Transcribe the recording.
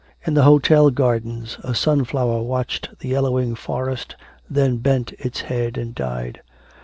In the hotel gardens a sunflower watched the yellowing forest, then bent its head and died.